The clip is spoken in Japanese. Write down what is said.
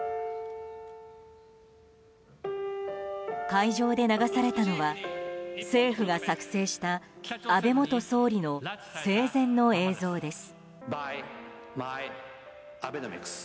会場で流されたのは政府が作成した安倍元総理の生前の映像です。